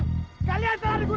tidak betul tidak mungkin